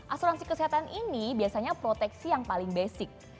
asuransi kesehatan ini biasanya proteksi yang paling basic